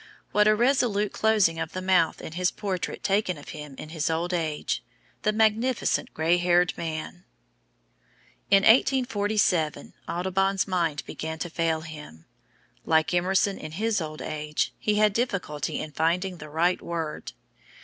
What a resolute closing of the mouth in his portrait taken of him in his old age "the magnificent grey haired man!" In 1847, Audubon's mind began to fail him; like Emerson in his old age, he had difficulty in finding the right word.